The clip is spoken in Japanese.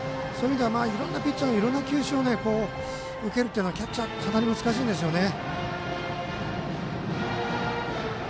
いろんなピッチャーのいろんな球種を受けるのはキャッチャーかなり難しいんですよね。